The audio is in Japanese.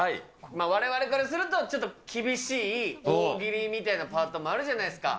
われわれからすると、ちょっと厳しい大喜利みたいなパートもあるじゃないですか。